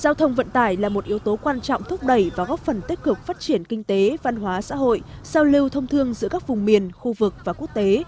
giao thông vận tải là một yếu tố quan trọng thúc đẩy và góp phần tích cực phát triển kinh tế văn hóa xã hội giao lưu thông thương giữa các vùng miền khu vực và quốc tế